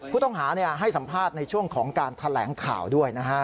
ผู้ต้องหาให้สัมภาษณ์ในช่วงของการแถลงข่าวด้วยนะฮะ